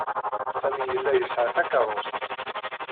Sami yella yesɛa takeṛṛust.